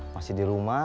masih di rumah